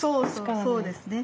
そうですね。